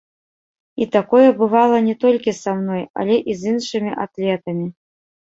І такое бывала не толькі са мной, але і з іншымі атлетамі.